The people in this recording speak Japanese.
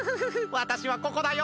わたしはここだよ。